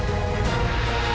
karena kau membantu amboing